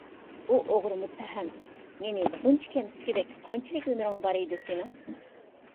ھۇ ئوغرى مۇتتەھەم! مېنى بۇنچە كەمسىتكۈدەك قانچىلىك ھۈنىرىڭ بار ئىدى سېنىڭ؟